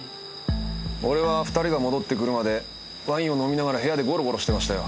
俺は２人が戻ってくるまでワインを飲みながら部屋でゴロゴロしてましたよ。